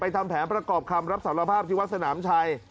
ทำแผนประกอบคำรับสารภาพที่วัดสนามชัย